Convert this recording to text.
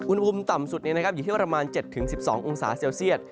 อุณหภูมิต่ำสุดอยู่ที่ประมาณ๗๑๒องศาเซลเซียต